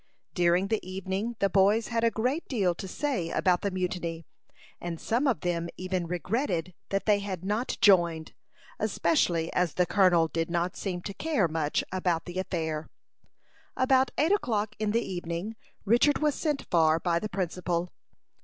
During the evening the boys had a great deal to say about the mutiny, and some of them even regretted that they had not joined, especially as the colonel did not seem to care much about the affair. About eight o'clock in the evening, Richard was sent for by the principal.